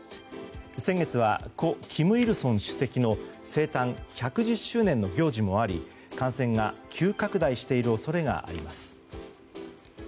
先月は故・金日成主席の生誕１１０周年の行事もあり感染が急拡大している恐れがあります。